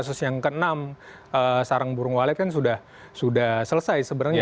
kasus yang ke enam sarang burung walet kan sudah selesai sebenarnya